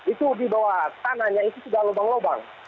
itu di bawah tanahnya itu sudah lobang lobang